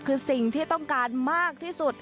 คือสิ่งที่ต้องการมากที่สุด